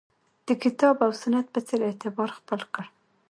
د کتاب او سنت په څېر اعتبار خپل کړ